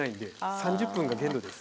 ３０分が限度です。